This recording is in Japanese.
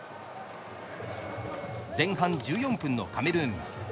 前半１４分のカメルーン。